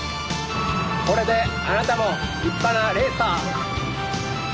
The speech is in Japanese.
これであなたも立派なレーサー。